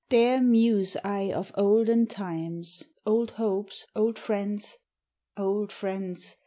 There muse I of old times, old hopes, old friends, Old friends